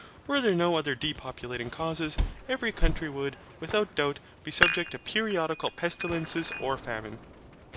Were there no other depopulating causes, every country would, without doubt, be subject to periodical pestilences or famine.